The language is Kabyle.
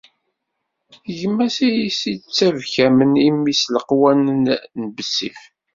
D gma-s i as-ittabkamen imi s leqwanen n bessif.